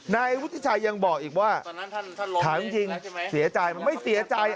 นายวุฒิชัยยังบอกอีกว่าถามจริงเสียใจมันไม่เสียใจ